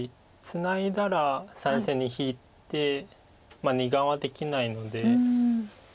ツナいだら３線に引いて２眼はできないので。